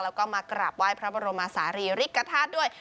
แล้วก็มากราบไหว้พระบรมศาลีริกฐาตุด้วย